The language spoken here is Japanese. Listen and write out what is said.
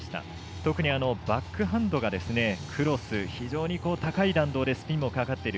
特にバックハンドがクロス、非常に高い弾道でスピンもかかってる